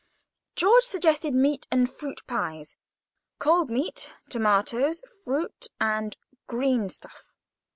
George suggested meat and fruit pies, cold meat, tomatoes, fruit, and green stuff.